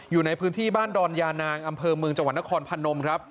อยู่ในพื้นที่บ้านดอนยานางอำเภอเมืองจังหวัดนครพนมครับ